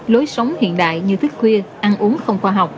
lối sống hiện đại như thuyết khuya ăn uống không khoa học